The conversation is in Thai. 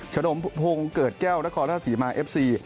ชนมพงศ์เกิดแก้วนครราชศรีมาเอฟซี